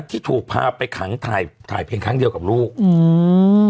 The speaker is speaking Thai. ที่ถูกพาไปขังถ่ายถ่ายเพียงครั้งเดียวกับลูกอืม